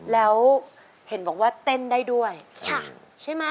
แล้วน้องใบบัวร้องได้หรือว่าร้องผิดครับ